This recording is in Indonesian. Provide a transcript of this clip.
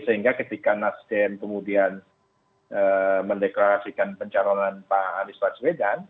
sehingga ketika nasdem kemudian mendeklarasikan pencalonan pak anies baswedan